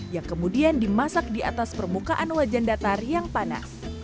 yang kemudian dimasak di atas permukaan wajan datar yang panas